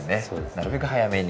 なるべく早めに。